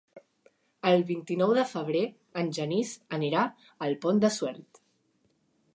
El vint-i-nou de febrer en Genís anirà al Pont de Suert.